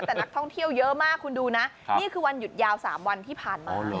แต่นักท่องเที่ยวเยอะมากคุณดูนะนี่คือวันหยุดยาว๓วันที่ผ่านมา